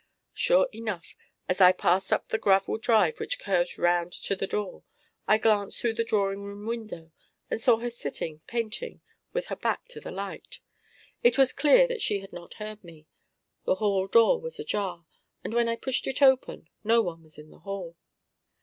Sure enough, as I passed up the gravel drive which curves round to the door, I glanced through the drawing room window, and saw her sitting painting, with her back to the light. It was clear that she had not heard me. The hall door was ajar, and when I pushed it open, no one was in the hall.